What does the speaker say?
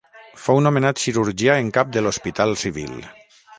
Fou nomenat cirurgià en cap de l'Hospital civil.